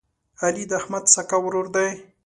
علي د احمد سکه ورور دی.